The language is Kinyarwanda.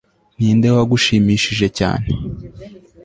Ninde wagushimishije cyane